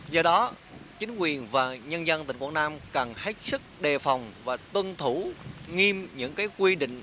do đó chính quyền và nhân dân tỉnh quảng nam cần hết sức đề phòng và tuân thủ nghiêm những quy định